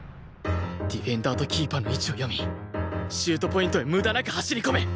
ディフェンダーとキーパーの位置を読みシュートポイントへ無駄なく走り込め！